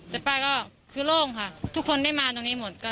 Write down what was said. แต่ป้าก็คือโล่งค่ะทุกคนได้มาตรงนี้หมด